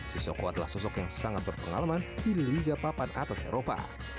susyoko adalah sosok yang sangat berpengalaman di liga papan atas eropa